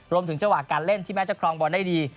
จังหวะการเล่นที่แม้จะครองบอลได้ดี